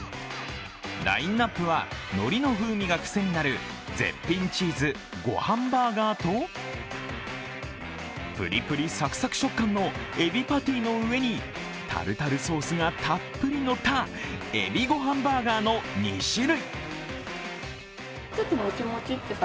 ラインナップはのりの風味が癖になる絶品チーズごはんバーガーとぷりぷりサクサク食感のエビパティの上にタルタルソースがたっぷり乗ったエビごはんバーガーの２種類。